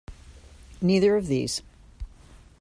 Neither of these.